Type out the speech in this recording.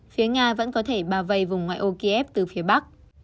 phía nga vẫn có thể bao vây vùng ngoại ô kiev từ phía bắc